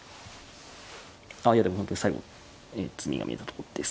あいやでも本当に最後詰みが見えたところです。